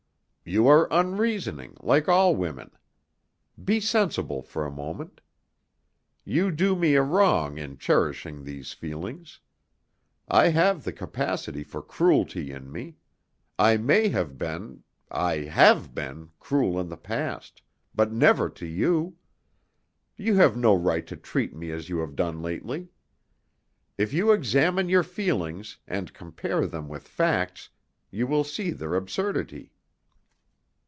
"You are unreasoning, like all women. Be sensible for a moment. You do me a wrong in cherishing these feelings. I have the capacity for cruelty in me. I may have been I have been cruel in the past, but never to you. You have no right to treat me as you have done lately. If you examine your feelings, and compare them with facts, you will see their absurdity."